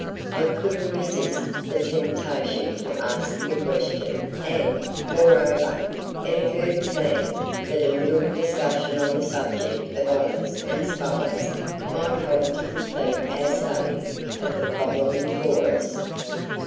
"I couldn't resist the temptation to ask the question and, moreover, it occurred to me that a little discussion on the subject of honors and spies might help to complete our study of the problem before us."